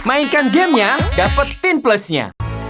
mainkan gamenya dapetin plusnya